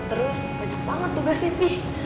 terus banyak banget tugasnya fi